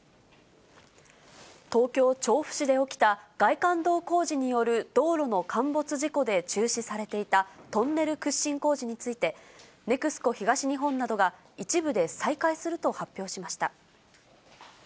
東京・調布市で起きた外環道工事による道路の陥没事故で中止されていたトンネル掘進工事について、ＮＥＸＣＯ東日本などが一部で再開すると発表しました。